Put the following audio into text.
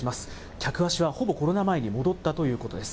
客足はほぼコロナ前に戻ったということです。